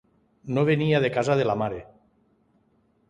No venia de casa de la mare!